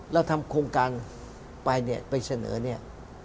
เราทำโครงการไปเนี่ยไปเสนอเนี่ย